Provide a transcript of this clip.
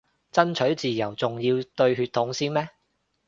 爭取自由仲要對血統先咩